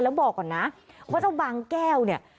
แล้วบอกก่อนนะว่าเจ้าบางแก้วเนี่ย